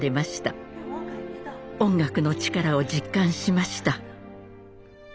音楽の力を実感しました。